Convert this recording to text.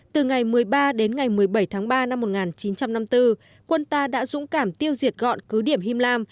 từ ngày một mươi ba đến ngày một mươi bảy tháng ba năm một nghìn chín trăm năm mươi bốn quân ta đã dũng cảm tiêu diệt gọn cứ điểm him lam